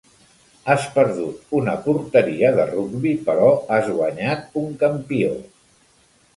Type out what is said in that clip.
Has perdut una porteria de rugbi però has guanyat un campió.